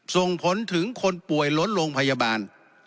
ส่งผลถึงคนป่วยล้นโรงพยาบาล